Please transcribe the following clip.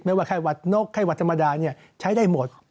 ว่าไข้หวัดนกไข้หวัดธรรมดาใช้ได้หมด